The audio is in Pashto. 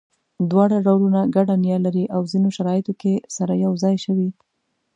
دواړه ډولونه ګډه نیا لري او ځینو شرایطو کې سره یو ځای شوي.